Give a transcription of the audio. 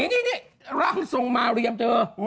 นี่ร่างทรงมาเรียมเธอ